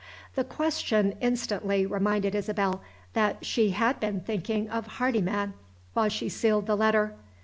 The question instantly reminded Isabel that she had been thinking of Hardyman while she sealed the letter.